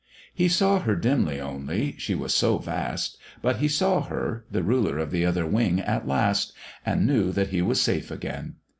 He saw her dimly only, she was so vast, but he saw her, the Ruler of the Other Wing at last, and knew that he was safe again.